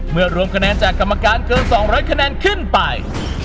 รวมคะแนนจากกรรมการเกิน๒๐๐คะแนนขึ้นไป